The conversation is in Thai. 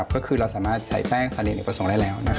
ก็คือเราสามารถใส่แป้งคาเนกประสงค์ได้แล้ว